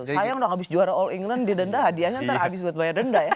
sayang dong habis juara all england didenda hadiahnya nanti habis buat banyak denda ya